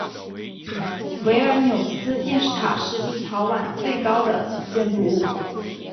维尔纽斯电视塔是立陶宛最高的建筑物。